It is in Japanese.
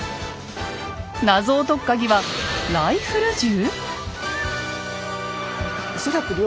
謎を解くカギはライフル銃？